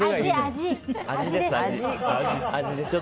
味です。